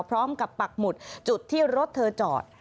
พร้อมกับปักหมุดจุดที่รถเธอจอด